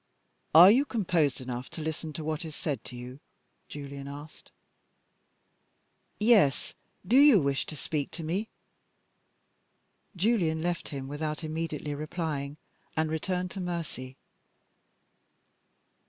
"Are you composed enough to listen to what is said to you?" Julian asked. "Yes. Do you wish to speak to me?" Julian left him without immediately replying, and returned to Mercy.